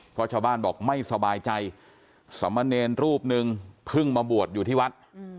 เพราะชาวบ้านบอกไม่สบายใจสมเนรรูปนึงเพิ่งมาบวชอยู่ที่วัด